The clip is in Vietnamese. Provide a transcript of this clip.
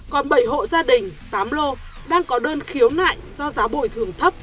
còn bảy hộ gia đình tám lô đang có đơn khiếu nại do giá bồi thường thấp